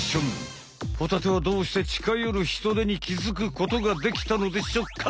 ホタテはどうしてちかよるヒトデに気づくことができたのでしょうか？